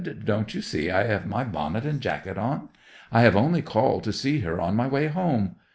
"Don't you see I have my bonnet and jacket on? I have only called to see her on my way home.